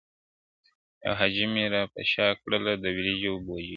• یوه حاجي مي را په شا کړله د وریجو بوجۍ -